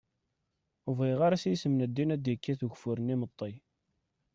Ur bɣiɣ ara s yisem n ddin ad d-ikkat ugeffur n yimeṭṭi.